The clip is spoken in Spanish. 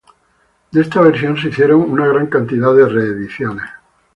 De esta versión se hicieron una gran cantidad de reediciones.